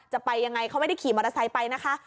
จะไปยังไงเขาไม่ได้ขี่มอเตอร์ไซค์ไปนะคะ